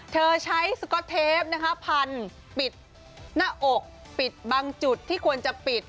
เธอใช้สก๊อตเทปนะคะพันปิดหน้าอกปิดบางจุดที่ควรจะปิด